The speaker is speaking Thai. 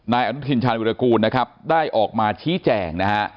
นายอนุทินชาญวิรากูลนะครับได้ออกมาชี้แจงนะฮะ